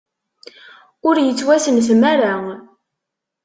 Ur yettwasentem ara.